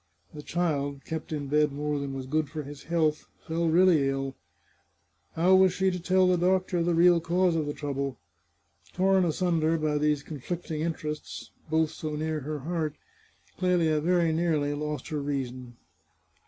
The child, kept in bed more than was good for his health, fell really ill. How was she to tell the doctor the real cause of the trouble ? Torn asunder by these conflicting interests, both so near her heart, Clelia very nearly lost her redson.